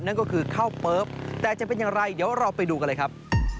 นั่นก็คือข้าวเปิ๊บแต่จะเป็นอย่างไรเดี๋ยวเราไปดูกันเลยครับ